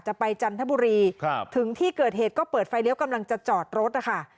ไปจันทบุรีถึงที่เกิดเหตุก็เปิดไฟเลี้ยวกำลังจะจอดรถนะคะ